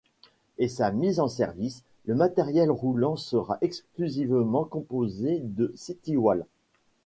À sa mise en service, le matériel roulant sera exclusivement composé de CityVal.